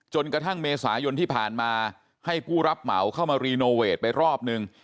กระทั่งเมษายนที่ผ่านมาให้ผู้รับเหมาเข้ามารีโนเวทไปรอบนึง